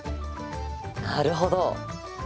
なるほど。